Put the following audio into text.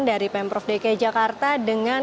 dari pemprov dki jakarta dengan